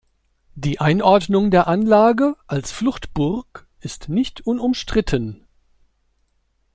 Die Einordnung der Anlage als Fluchtburg ist nicht unumstritten.